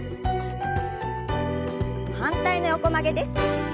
反対の横曲げです。